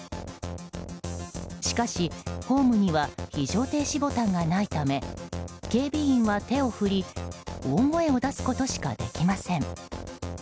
しかし、ホームには非常停止ボタンがないため警備員は手を振り大声を出すことしかできません。